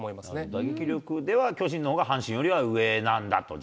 打撃力では巨人のほうが阪神より上なんだと。